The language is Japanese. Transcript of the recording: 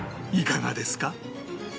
いかがですか？